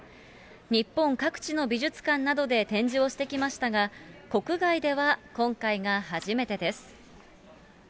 日本各地の美術館などで展示をしてきましたが、国外では今回が初めてです。